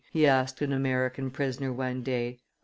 he asked an American prisoner one day.